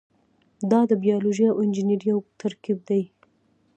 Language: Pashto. دا د بیولوژي او انجنیری یو ترکیب دی.